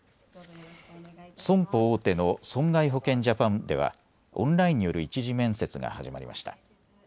損保大手の損害保険ジャパンではオンラインによる１次面接が始まりました。